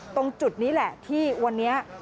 ตรงจุดนี้แหละที่วันนี้